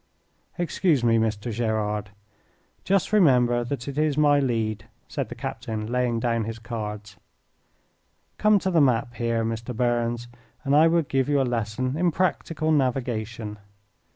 "Excuse me, Mr. Gerard. Just remember that it is my lead," said the captain, laying down his cards. "Come to the map here, Mr. Burns, and I will give you a lesson in practical navigation.